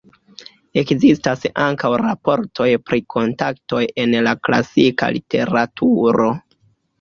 Ekzistas ankaŭ raportoj pri kontaktoj en la klasika literaturo.